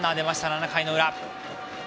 ７回の裏。